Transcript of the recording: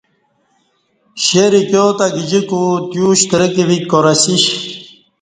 شیر ایکیو تہ گجیکو تیو شترک ویک کار اسیش